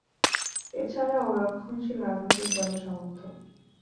এছাড়াও, রক্ষণশীল রাজনৈতিক দলের সমর্থক।